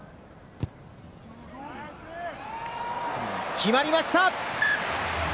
決まりました！